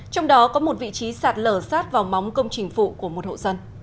trong đó có một vị trí sạt lở sát vào móng công trình phụ của một hộ dân